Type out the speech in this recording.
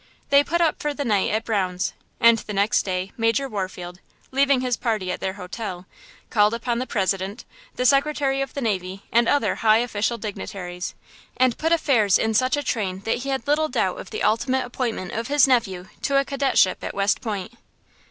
They put up for the night at Brown's, and the next day Major Warfield, leaving his party at their hotel, called upon the President, the Secretary of the Navy and other high official dignitaries, and put affairs in such a train that he had little doubt of the ultimate appointment of his nephew to a cadetship at West Point.